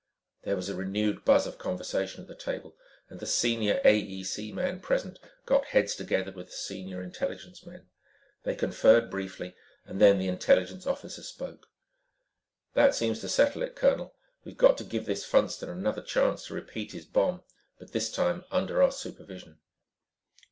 There was a renewed buzz of conversation at the table and the senior AEC man present got heads together with the senior intelligence man. They conferred briefly and then the intelligence officer spoke. "That seems to settle it, colonel. We've got to give this Funston another chance to repeat his bomb. But this time under our supervision."